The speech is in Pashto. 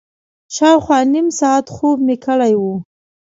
شاوخوا نیم ساعت خوب مې کړی و.